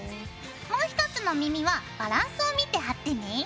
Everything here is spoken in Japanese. もう一つの耳はバランスを見て貼ってね。